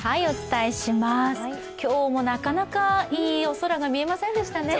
今日もなかなかいい空が見えませんでしたね。